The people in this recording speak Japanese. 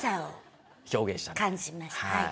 はい。